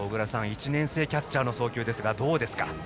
１年生キャッチャーの送球ですがどうですか？